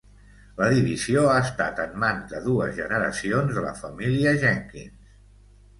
La divisió ha estat en mans de dues generacions de la família Jenkins.